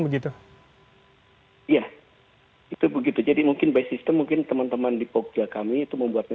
begitu ya itu begitu jadi mungkin by system mungkin teman teman di pogja kami itu membuatnya